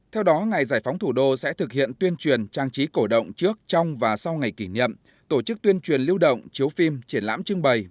theo đó ngày giải phóng thủ đô sẽ thực hiện tuyên truyền trang trí cổ động trước trong và sau ngày kỷ niệm tổ chức tuyên truyền lưu động chiếu phim triển lãm trưng bày